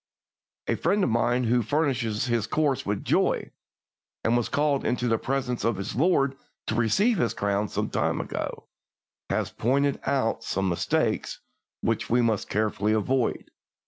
A friend of mine who finished his course with joy, and was called into the presence of his Lord to receive his crown some time ago, has pointed out some mistakes which we must carefully avoid.